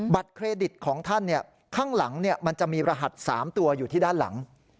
เครดิตของท่านข้างหลังมันจะมีรหัส๓ตัวอยู่ที่ด้านหลัง